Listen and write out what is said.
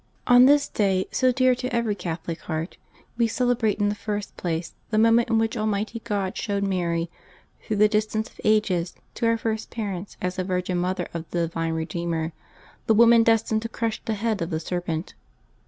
OK" this day, so dear to every Catholic heart, we cele brate, in the first place, the moment in which Al mighty God showed Mary, through the distance of ages, to our first parents as the Virgin Mother of the divine Ke deemer, the woman destined to crush the head of the ser pent.